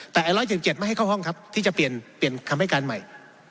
แต่๑๗๗ไม่ให้เข้าห้องครับที่จะเปลี่ยนคำให้การใหม่